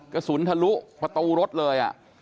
กระสุนทะลุประตูรถเลย